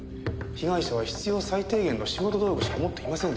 被害者は必要最低限の仕事道具しか持っていませんでした。